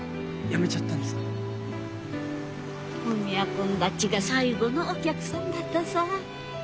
文也君たちが最後のお客さんだったさぁ。